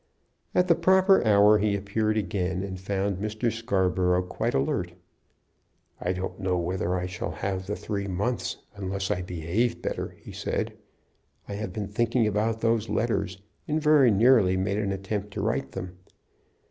At the proper hour he appeared again, and found Mr. Scarborough quite alert. "I don't know whether I shall have the three months, unless I behave better," he said. "I have been thinking about those letters, and very nearly made an attempt to write them.